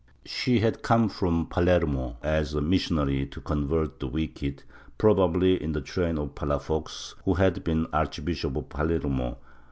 She had come from Palermo as a missionary to convert the wicked, probably in the train of Palafox, who had been Archbishop of Palermo.